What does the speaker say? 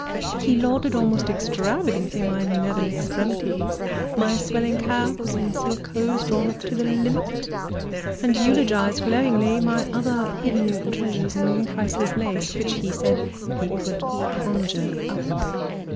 He lauded almost extravagantly my nether extremities, my swelling calves in silk hose drawn up to the limit, and eulogised glowingly my other hidden treasures in priceless lace which, he said, he could conjure up.